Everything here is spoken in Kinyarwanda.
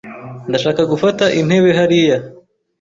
Ndashaka gufata intebe hariya.